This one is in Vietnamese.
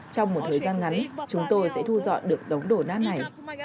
trong một thời gian ngắn chúng tôi sẽ thu dọn được đống đổ nát này